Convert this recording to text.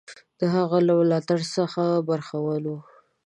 د هغه له ملاتړ څخه برخمن وو.